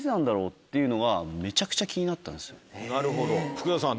福田さん